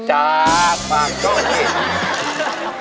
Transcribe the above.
จากฝั่งกล้องทิศ